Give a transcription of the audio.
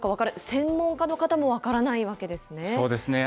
専門家の方も分からないわけですそうですね。